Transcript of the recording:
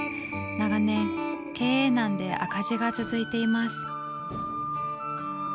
長年経営難で赤字が続いています。